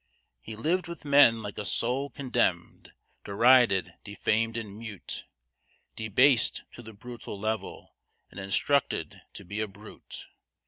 He lived with men like a soul condemned derided, defamed, and mute; Debased to the brutal level, and instructed to be a brute.